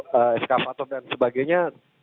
atau eskapator dan sebagainya